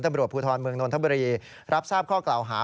ตำรวจภูทรเมืองนนทบุรีรับทราบข้อกล่าวหา